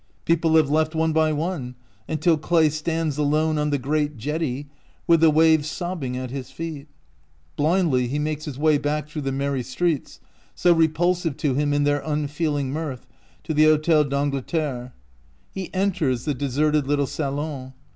People have left one by one, until Clay stands alone on the great jetty, with the waves sobbing at his feet. Blindly he makes his way back through the merry streets, so repulsive to him in their unfeeling mirth, to the Hotel d'Angleterre. He en ters the deserted little salon.